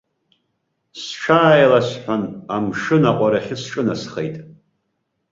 Сҽааиласҳәан, амшын аҟәарахьы сҿынасхеит.